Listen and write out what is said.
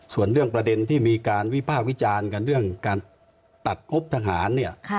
ส่วนเรื่องประเด็นที่มีการวิภาควิจารณ์กันเรื่องการตัดงบทหารเนี่ย